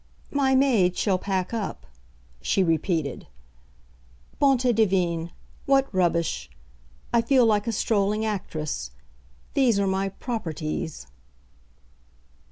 "My maid shall pack up," she repeated. "Bonté divine, what rubbish! I feel like a strolling actress; these are my 'properties.